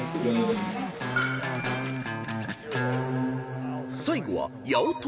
［最後は八乙女］